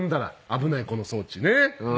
危ないこの装置ねえ。